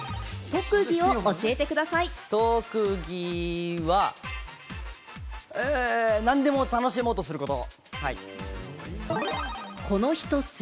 特技は何でも楽しもうとすること。